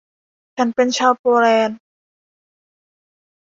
ฉันเป็นชาวโปแลนด์